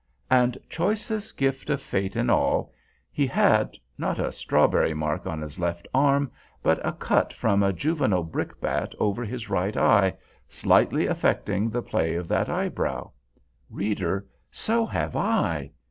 And—choicest gift of Fate in all—he had, not "a strawberry mark on his left arm," but a cut from a juvenile brickbat over his right eye, slightly affecting the play of that eyebrow. Reader, so have I!